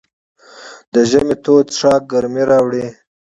د ژمي تود څښاک ګرمۍ راوړي.